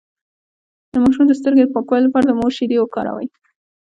د ماشوم د سترګو د پاکوالي لپاره د مور شیدې وکاروئ